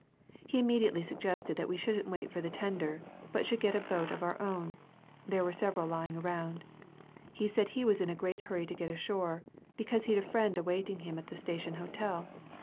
He immediately suggested that we shouldn't wait for the tender, but should get a boat of our own there were several lying around. He said he was in a great hurry to get ashore, because he'd a friend awaiting him at the Station Hotel.